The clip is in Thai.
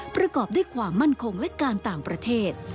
ประกอบด้วยความมั่นคงและการต่างประเทศ